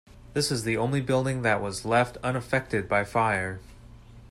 This is the only building that was left unaffected by fire.